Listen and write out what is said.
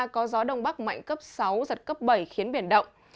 có gió đông bắc mạnh cấp sáu giật cấp bảy khiến biển động